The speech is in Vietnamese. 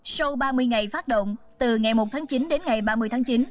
sau ba mươi ngày phát động từ ngày một tháng chín đến ngày ba mươi tháng chín